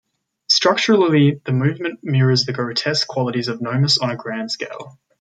Structurally the movement mirrors the grotesque qualities of "Gnomus" on a grand scale.